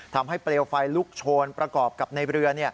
ทำให้เปลวไฟลุกโชนประกอบกับในเรือ